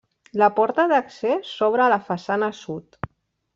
La porta d'accés s'obre a la façana sud.